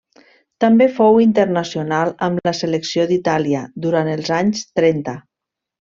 També fou internacional amb la selecció d'Itàlia durant els anys trenta.